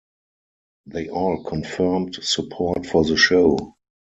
They all confirmed support for the show.